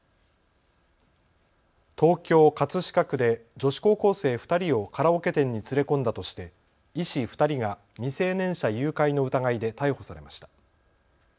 東京葛飾区で女子高校生２人をカラオケ店に連れ込んだとして医師２人が未成年者誘拐の疑いで逮捕されました。